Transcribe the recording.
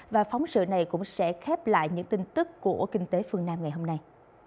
và phóng sự này cũng sẽ khép lại những tin tức của kinh tế phương nam ngày hôm nay